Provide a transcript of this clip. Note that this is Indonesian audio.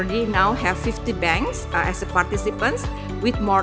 kami sudah memiliki lima puluh bank sebagai pengguna dengan lebih banyak yang akan datang